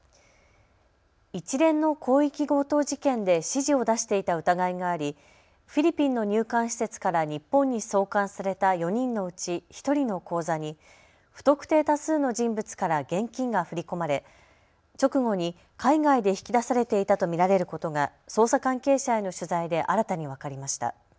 一連の広域強盗事件で指示を出していた疑いがありフィリピンの入管施設から日本に送還された４人のうち１人の口座に不特定多数の人物から現金が振り込まれ直後に海外で引き出されていたと見られることが捜査関係者への取材で新たに分かりました。